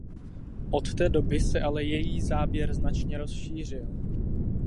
Od té doby se ale její záběr značně rozšířil.